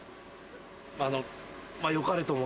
あの。